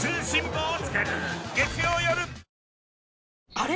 あれ？